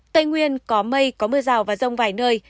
tây nguyên có mây có mưa rào và rông vài nơi